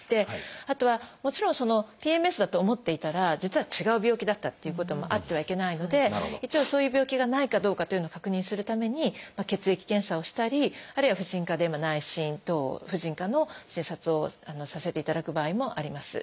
あとはもちろんＰＭＳだと思っていたら実は違う病気だったっていうこともあってはいけないので一応そういう病気がないかどうかというのを確認するために血液検査をしたりあるいは婦人科で内診等婦人科の診察をさせていただく場合もあります。